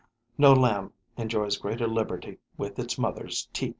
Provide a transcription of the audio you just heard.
No Lamb enjoys greater liberty with its mother's teat.